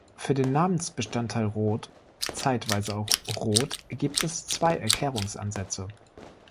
Für den Namensbestandteil "Rod", zeitweise auch "Roth", gibt es zwei Erklärungsansätze.